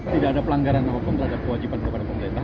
tidak ada pelanggaran apapun terhadap kewajiban kepada pemerintah